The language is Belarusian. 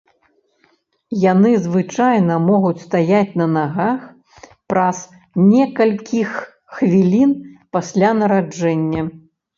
Яны звычайна могуць стаяць на нагах праз некалькіх хвілін пасля нараджэння.